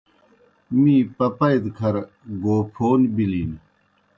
می پَپَئی دہ کھر گوپھو بِلِن۔